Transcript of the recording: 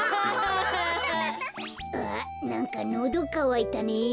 あなんかのどかわいたね。